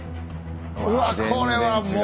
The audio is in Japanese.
うわこれはもう。